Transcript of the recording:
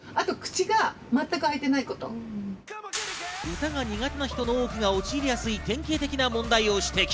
歌が苦手な人の多くが陥りやすい典型的な問題を指摘。